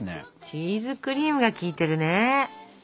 チーズクリームが効いてるね。